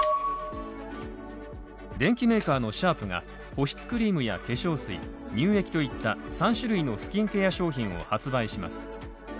電機メーカーのシャープが保湿クリームや化粧水乳液といった３種類のスキンケア商品を発売します。